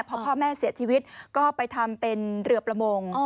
พอพ่อแม่เสียชีวิตก็ไปทำเป็นเรือประมง